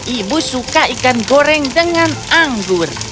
ibu suka ikan goreng dengan anggur